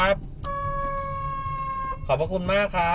ผู้ชีพเราบอกให้สุจรรย์ว่า๒